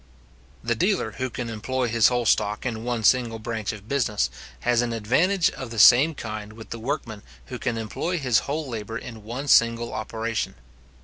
The dealer who can employ his whole stock in one single branch of business, has an advantage of the same kind with the workman who can employ his whole labour in one single operation.